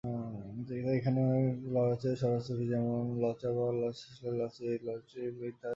তাই এখানে অনেক লচের ছড়াছড়ি, যেমন লচআবার, লচসেইল, লচইলিট, লচইটিভ ইত্যাদি।